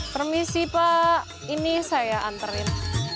permisi pak ini saya anterin